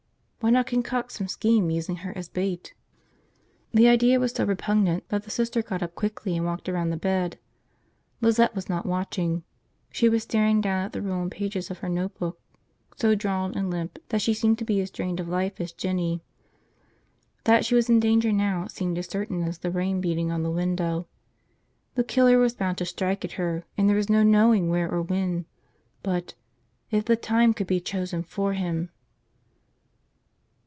Why not concoct some scheme using her as bait? The idea was so repugnant that the Sister got up quickly and walked around the bed. Lizette was not watching. She was staring down at the ruined pages of her notebook, so drawn and limp that she seemed to be as drained of life as Jinny. That she was in danger now seemed as certain as the rain beating on the window. The killer was bound to strike at her, and there was no knowing where or when. But if the time could be chosen for him.